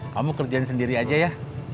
kamu kerjain sendiri aja ya